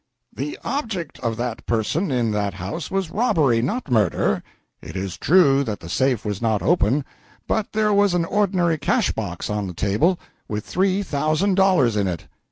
"The object of that person in that house was robbery, not murder. It is true that the safe was not open, but there was an ordinary tin cash box on the table, with three thousand dollars in it.